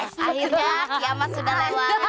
akhirnya kiamat sudah lewat